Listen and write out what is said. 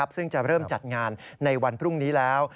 ซึ่งจะเริ่มจัดงานในวันพรุ่งนี้แล้ว